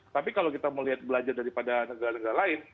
tapi kalau kita melihat belajar daripada negara negara lain